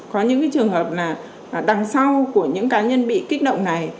có những trường hợp là đằng sau của những cá nhân bị kích động này